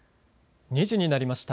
２時になりました。